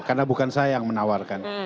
karena bukan saya yang menawarkan